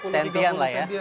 yang di pinggir